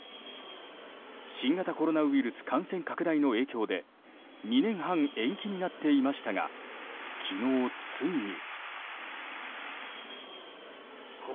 新型コロナウイルス感染拡大の影響で２年半延期になっていましたが昨日、ついに。